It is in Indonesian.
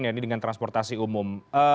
ya ini dengan transportasi umum